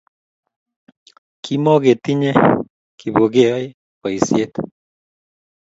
Kimukotinyei Kipokeo boisiet